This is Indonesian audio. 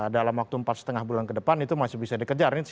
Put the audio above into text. dalam waktu empat lima bulan ke depan itu masih bisa dikejar